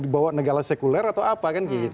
dibawa negara sekuler atau apa kan